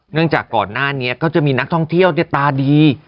จากก่อนหน้านี้ก็จะมีนักท่องเที่ยวตาดี